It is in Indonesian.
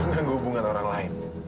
pengganggu hubungan orang lain